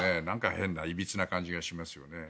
変な、いびつな感じがしますよね。